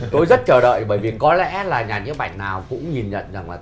tôi rất chờ đợi bởi vì có lẽ là nhà những bạn nào cũng nhìn nhận rằng là